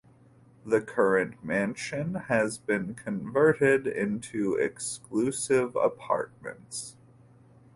The current mansion has been converted into exclusive apartments.